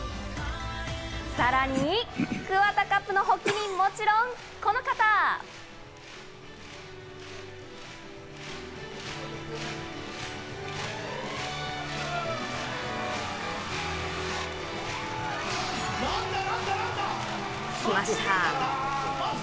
さらに、ＫＵＷＡＴＡＣＵＰの発起人、もちろん、この方。来ました！